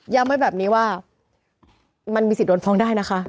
ไว้แบบนี้ว่ามันมีสิทธิ์โดนฟ้องได้นะคะ